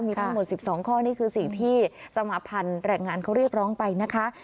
มีทั้งหมด๑๒ข้อนี่คือสิ่งที่สมาพันธ์แรงงานเขาเรียกร้องไปนะคะ